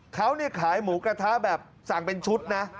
เขาขายหมูกระทะแบบสั่งเป็นชุดนะ